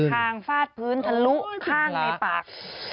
งฟาดพื้นทะลุข้างในปาก